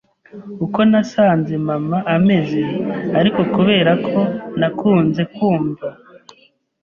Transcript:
uko nasanze mama ameze, ariko kubera ko nakunze kumva